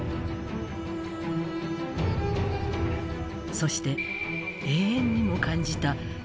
「そして永遠にも感じた」